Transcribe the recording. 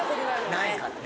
ないからね。